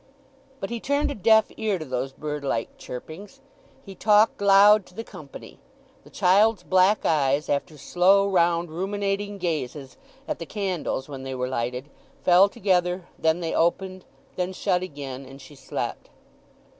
But he turned a deaf ear to those bird like chirpings. He talked loud to the company. The child's black eyes, after slow, round, ruminating gazes at the candles when they were lighted, fell together; then they opened, then shut again, and she slept.